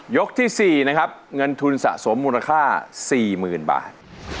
ที่๔นะครับเงินทุนสะสมมูลค่า๔๐๐๐บาท